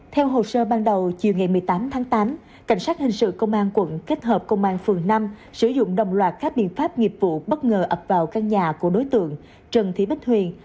theo hồ sơ ban đầu chiều ngày một mươi tám tháng tám cảnh sát hình sự công an quận kết hợp công an phường năm sử dụng đồng loạt các biện pháp nghiệp vụ bất ngờ ập vào căn nhà của đối tượng trần thí bích huyền